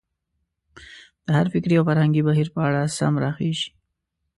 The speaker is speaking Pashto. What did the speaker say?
د هر فکري او فرهنګي بهیر په اړه سم راخېژي.